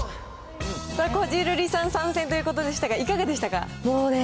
こじるりさん参戦ということでしたが、いかがでしたか？